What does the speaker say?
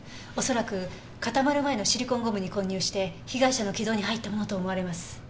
おそらく固まる前のシリコンゴムに混入して被害者の気道に入ったものと思われます。